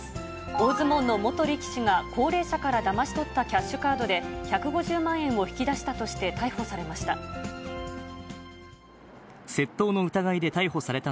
大相撲の元力士が高齢者からだまし取ったキャッシュカードで１５０万円を引き出したとして逮捕されました。